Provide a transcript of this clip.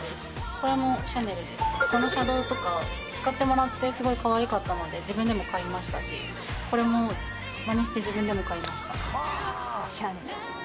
このシャドーとか使ってもらってすごいかわいかったので自分でも買いましたしこれもまねして自分でも買いました。